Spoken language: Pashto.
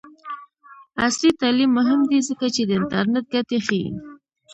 عصري تعلیم مهم دی ځکه چې د انټرنټ ګټې ښيي.